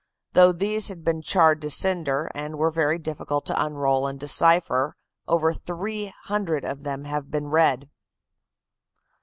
Though these had been charred to cinder, and were very difficult to unroll and decipher, over 300 of them have been read.